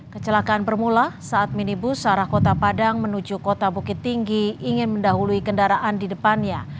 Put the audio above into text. kecelakaan bermula saat minibus arah kota padang menuju kota bukit tinggi ingin mendahului kendaraan di depannya